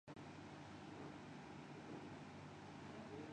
اس کے لیے قومی سیاسی جماعتوں کا کردار بہت اہم ہے۔